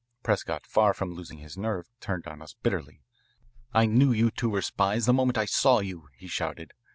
Prescott, far from losing his nerve, turned on us bitterly. "I knew you two were spies the moment I saw you," he shouted.